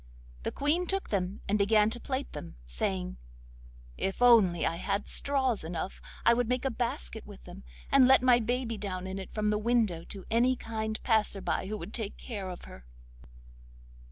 The Queen took them and began to plait them, saying: 'If only I had straws enough I would make a basket with them, and let my baby down in it from the window to any kind passer by who would take care of her.